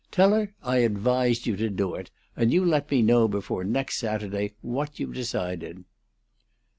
Tell her I advised you to do it, and you let me know before next Saturday what you've decided."